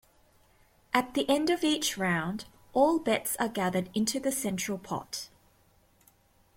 At the end of each round, all bets are gathered into the central pot.